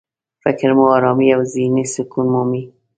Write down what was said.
فکر مو ارامي او ذهني سکون مومي.